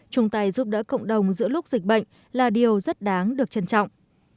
chúng ta giúp đỡ cộng đồng giữa lúc dịch bệnh là điều rất đáng được trân trọng